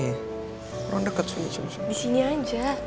kurang deket di sini aja